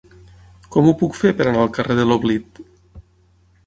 Com ho puc fer per anar al carrer de l'Oblit?